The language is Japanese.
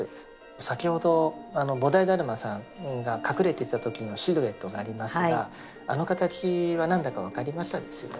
先ほど菩提達磨さんが隠れていた時のシルエットがありますがあの形は何だか分かりましたですよね？